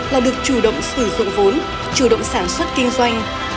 là được chủ động sử dụng vốn chủ động sản xuất kinh doanh